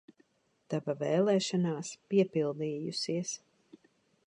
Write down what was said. Tava vēlēšanās piepildījusies!